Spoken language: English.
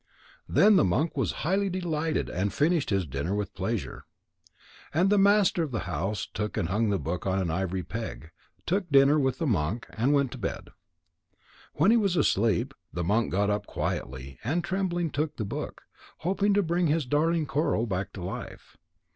Then the monk was highly delighted and finished his dinner with pleasure. And the master of the house hung the book on an ivory peg, took dinner with the monk, and went to bed. When he was asleep, the monk got up quietly, and tremblingly took the book, hoping to bring his darling Coral back to life.